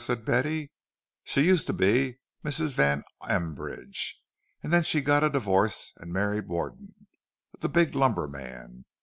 said Betty. "She used to be Mrs. van Ambridge, and then she got a divorce and married Warden, the big lumber man.